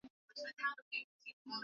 Mnamo tarehe kumi na mbili mwezi wa kumi